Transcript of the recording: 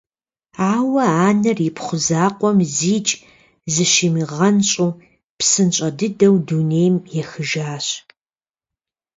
Ауэ анэр ипхъу закъуэм зикӀ зыщимыгъэнщӀу псынщӀэ дыдэу дунейм ехыжащ.